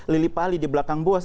lili pali di belakang buas